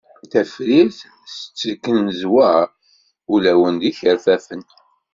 Tafrirt tettengeẓwaṛ ulawen d ikerfafen.